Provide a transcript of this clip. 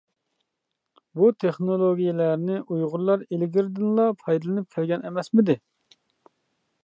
بۇ تېخنولوگىيەلەرنى ئۇيغۇرلار ئىلگىرىدىنلا پايدىلىنىپ كەلگەن ئەمەسمىدى.